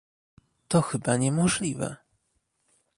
To chyba niemożliwe